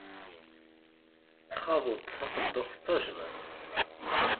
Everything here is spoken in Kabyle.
Txaḍ-d taqendurt d tajdiṭ.